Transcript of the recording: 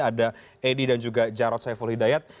ada edi dan juga jarod saiful hidayat